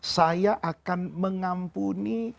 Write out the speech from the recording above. saya akan mengampuni